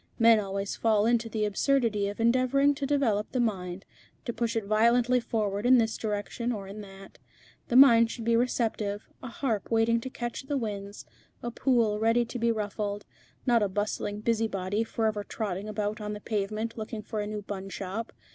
Men always fall into the absurdity of endeavouring to develop the mind, to push it violently forward in this direction or in that. The mind should be receptive, a harp waiting to catch the winds, a pool ready to be ruffled, not a bustling busybody, forever trotting about on the pavement looking for a new bun shop.